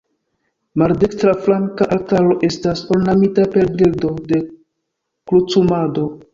Maldekstra flanka altaro estas ornamita per bildo de Krucumado.